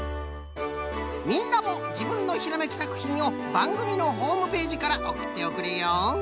みんなもじぶんのひらめきさくひんをばんぐみのホームページからおくっておくれよ！